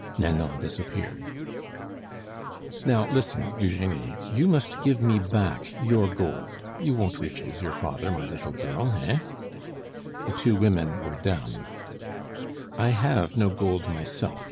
Nanon disappeared. "Now listen, Eugenie; you must give me back your gold. You won't refuse your father, my little girl, hein?" The two women were dumb. "I have no gold myself.